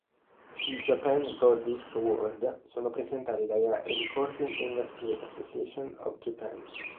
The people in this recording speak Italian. I Japan Gold Disc Award sono presentati dalla Recording Industry Association of Japan.